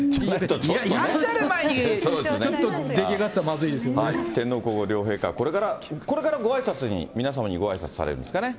いらっしゃる前にちょっと、天皇皇后両陛下、これからごあいさつに、皆様にごあいさつされるんですかね。